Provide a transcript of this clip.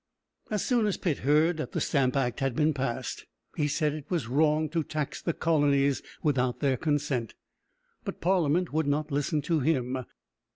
As soon as Pitt heard that the Stamp Act had been passed, he said it was wrong to tax the colonies without their consent. But Parliament would not listen to him.